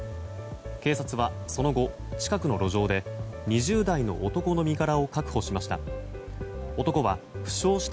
警察はその後、近くの路上で２０代の男の身柄を確保しました。